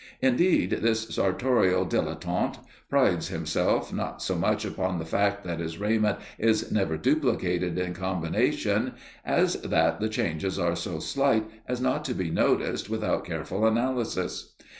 Indeed, this sartorial dilettante prides himself, not so much upon the fact that his raiment is never duplicated in combination, as that the changes are so slight as not to be noticed without careful analysis.